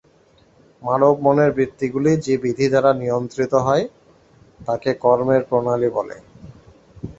মানব-মনের বৃত্তিগুলি যে বিধি দ্বারা নিয়ন্ত্রিত হয়, তাহাকে কর্মের প্রণালী বলে।